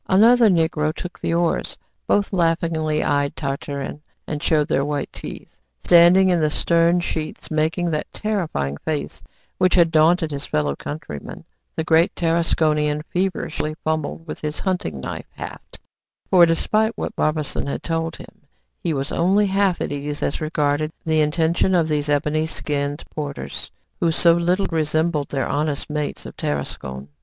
Another Negro took the oars. Both laughingly eyed Tartarin, and showed their white teeth. Standing in the stern sheets, making that terrifying face which had daunted his fellow countrymen, the great Tarasconian feverishly fumbled with his hunting knife haft; for, despite what Barbassou had told him, he was only half at ease as regarded the intention of these ebony skinned porters, who so little resembled their honest mates of Tarascon.